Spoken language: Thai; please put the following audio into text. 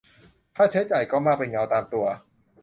ค่าใช้จ่ายก็มากเป็นเงาตามตัว